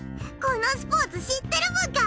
このスポーツ知ってるブカ。